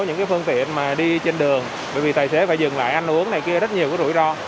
những cái phương tiện mà đi trên đường bởi vì tài xế phải dừng lại ăn uống này kia rất nhiều cái rủi ro